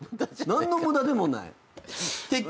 何の無駄でもない。